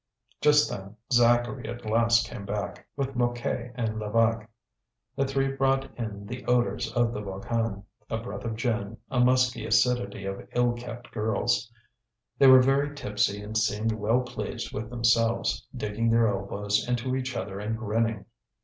Just then, Zacharie at last came back, with Mouquet and Levaque. The three brought in the odours of the Volcan, a breath of gin, a musky acidity of ill kept girls. They were very tipsy and seemed well pleased with themselves, digging their elbows into each other and grinning.